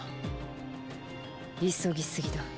急ぎすぎだ。